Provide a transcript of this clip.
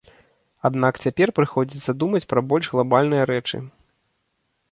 Аднак цяпер прыходзіцца думаць пра больш глабальныя рэчы.